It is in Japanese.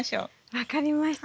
分かりました。